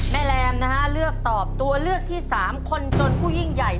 แรมนะฮะเลือกตอบตัวเลือกที่๓คนจนผู้ยิ่งใหญ่